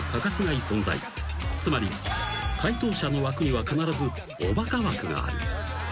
［つまり解答者の枠には必ずおバカ枠がある］